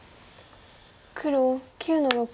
黒９の六。